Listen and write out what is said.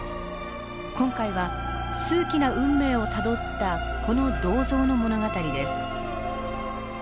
今回は数奇な運命をたどったこの銅像の物語です。